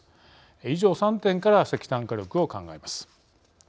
以上３点から石炭火力を考えます。